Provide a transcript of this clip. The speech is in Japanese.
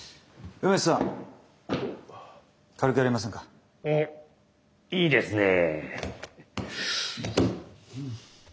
おっいいですねえ。